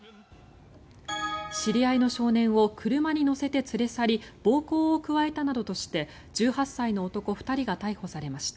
知り合いの少年を車に乗せて連れ去り暴行を加えたなどとして１８歳の男２人が逮捕されました。